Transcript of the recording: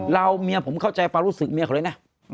เมียผมเข้าใจความรู้สึกเมียเขาเลยนะ